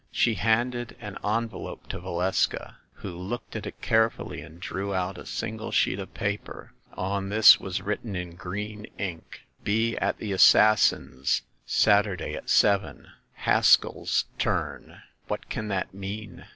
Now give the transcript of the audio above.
She handed an envelope to Valeska, who looked at it carefully and drew out a single sheet of paper. On this was written in green ink : "Be at the Assassins' Saturday at seven. Has kell's turn." "What can that mean